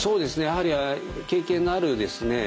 やはり経験のあるですね